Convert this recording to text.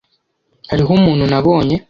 Hariho umuntu nabonye.